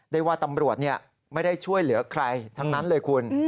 ได้ว่าตำรวจไม่ได้ช่วยเหลือใครทั้งนั้นเลยคุณ